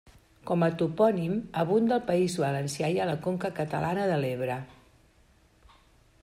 Com a topònim, abunda al País Valencià i a la conca catalana de l'Ebre.